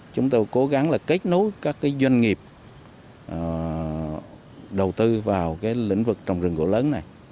chúng tôi cố gắng là kết nối các doanh nghiệp đầu tư vào lĩnh vực trồng rừng gỗ lớn này